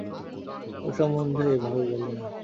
ওর সম্বন্ধে এভাবে বলো না।